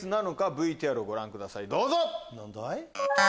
ＶＴＲをご覧くださいどうぞ！